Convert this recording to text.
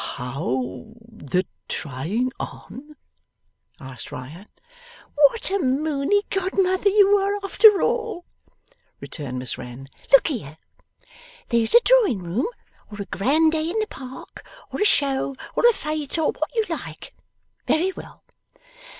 'How, the trying on?' asked Riah. 'What a mooney godmother you are, after all!' returned Miss Wren. 'Look here. There's a Drawing Room, or a grand day in the Park, or a Show, or a Fete, or what you like. Very well.